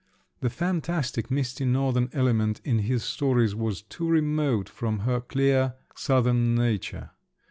The fantastic, misty northern element in his stories was too remote from her clear, southern nature.